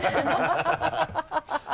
ハハハ